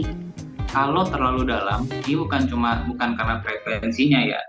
kalau terlalu dalam ini bukan cuma karena frekuensinya ya